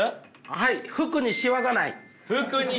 はい服にシワがない。